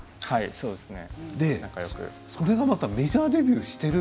そうですね。